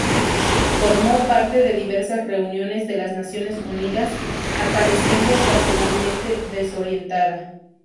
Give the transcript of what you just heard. Formó parte de diversas reuniones de las Naciones Unidas, apareciendo ocasionalmente desorientada.